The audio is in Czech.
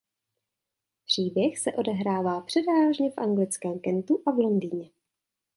Příběh se odehrává převážně v anglickém Kentu a v Londýně.